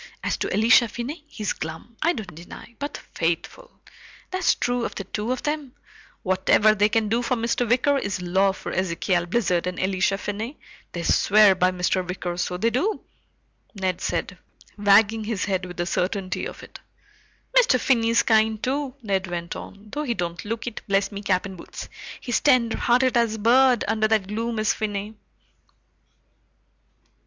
As to Elisha Finney, he's glum, I don't deny, but faithful! That's true of the two of them whatever they can do for Mr. Wicker is law for Ezekial Blizzard and Elisha Finney. They swear by Mr. Wicker, so they do," Ned said, wagging his head with the certainty of it. "Mr. Finney's kind, too," Ned went on, "though he don't look it, bless me cap and boots! He's tenderhearted as a bird, under that gloom, is Finney."